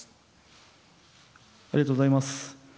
ありがとうございます。